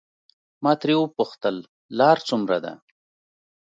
ما ترې وپوښتل لار څومره ده.